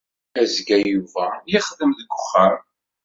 Azekka, Yuba ad yexdem deg uxxam.